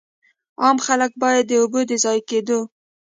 عام خلک باید د اوبو د ضایع کېدو.